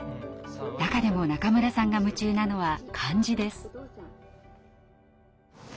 中でも中村さんが夢中なのは漢字です。